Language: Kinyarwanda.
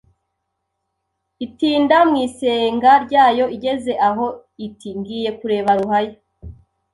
Itinda mu isenga ryayo, igeze aho iti ngiye kureba Ruhaya